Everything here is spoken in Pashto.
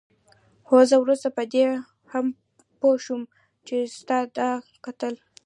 هو زه وروسته په دې هم پوه شوم چې ستا دا کتل.